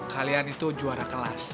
kalian itu juara kelas